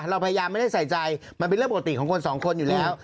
เราพยายามไม่ได้ใส่ใจมันเป็นเรื่องปกติของคนสองคนอยู่แล้ว